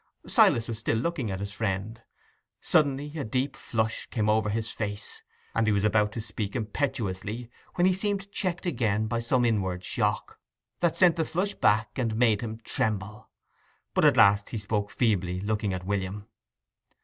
Silas was still looking at his friend. Suddenly a deep flush came over his face, and he was about to speak impetuously, when he seemed checked again by some inward shock, that sent the flush back and made him tremble. But at last he spoke feebly, looking at William.